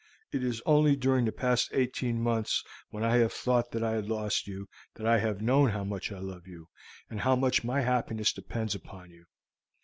It is only during the past eighteen months, when I have thought that I had lost you, that I have known how much I love you, and how much my happiness depends upon you.